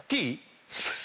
そうです。